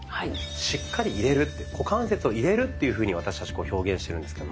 「股関節を入れる」っていうふうに私たち表現してるんですけども。